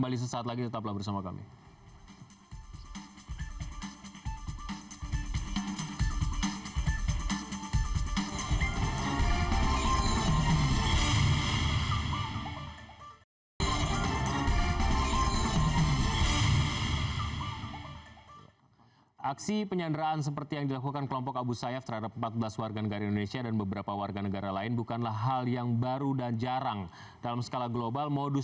baik kita akan kembali sesaat lagi tetaplah bersama kami